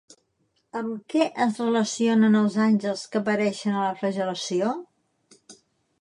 Amb què es relacionen els àngels que apareixen a la flagel·lació?